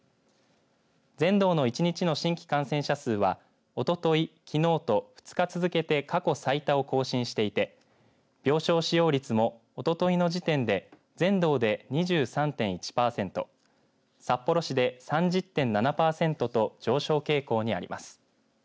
全道の１日の新規感染者数はおととい、きのうと２日続けて過去最多を更新していて病床使用率もおとといの時点で全道で２３．１パーセント札幌市で３０．７パーセントと上昇傾向にあります。